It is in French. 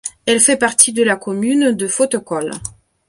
Elle fait partie de la commune de Fotokol.